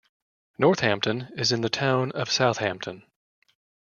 Northampton is in the Town of Southampton.